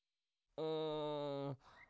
うん。